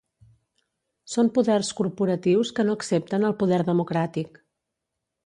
Són poders corporatius que no accepten el poder democràtic.